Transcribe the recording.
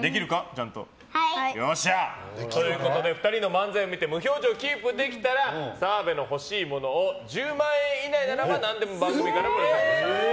ちゃんと。ということで２人の漫才を見て無表情をキープできたら澤部の欲しいものを１０万円以内ならば何でも番組からプレゼントします。